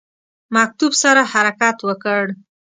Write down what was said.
مکتوب سره حرکت وکړ.